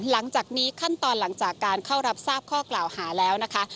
หลังจากนี้ขั้นตอนหลังจากการเข้ารับทราบข้อกล่าวหาแล้วนะคะ